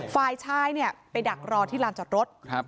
ฝ่ายชายไปดักรอในร่านจอดรถ